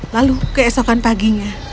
lalu keesokan paginya